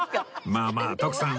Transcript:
まあまあ徳さん